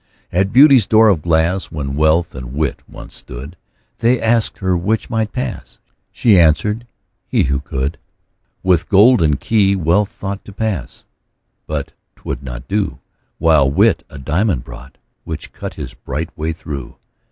At Beauty's door of glass, When Wealth and Wit once stood, They asked her 'which might pass?" She answered, "he, who could." With golden key Wealth thought To pass but 'twould not do: While Wit a diamond brought, Which cut his bright way through.